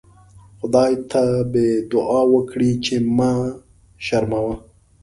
خدای ته به دوعا وکړئ چې مه شرموه.